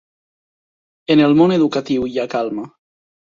En el món educatiu hi ha calma.